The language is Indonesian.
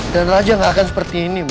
dan raja gak akan seperti ini ma